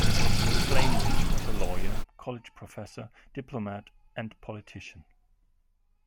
Flamerich was a lawyer, college professor, diplomat, and politician.